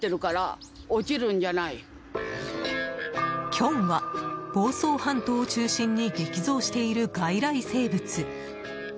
キョンは、房総半島を中心に激増している外来生物。